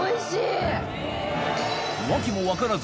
訳も分からず